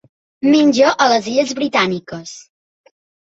Menja a les illes Britàniques.